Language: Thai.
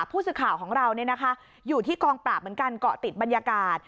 ผู้สื่อข่าวของเราอยู่ที่กองปราบเหมือนกันเกาะติดบรรยากาศ